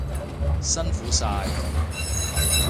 辛苦晒！